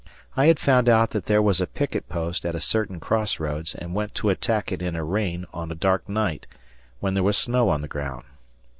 I had found out that there was a picket post at a certain crossroads and went to attack it in a rain on a dark night, when there was snow on the ground.